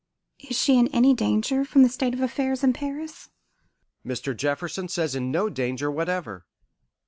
"Is she in any danger from the state of affairs in Paris?" "Mr. Jefferson says in no danger whatever.